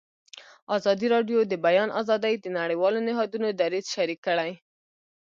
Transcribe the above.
ازادي راډیو د د بیان آزادي د نړیوالو نهادونو دریځ شریک کړی.